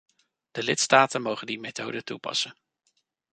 De lidstaten mogen die methode toepassen.